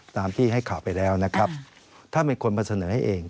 ตามที่ให้ข่าวไปแล้วนะครับท่านเป็นคนมาเสนอให้เอง